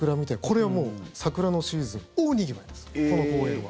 これはもう桜のシーズン大にぎわいです、この公園は。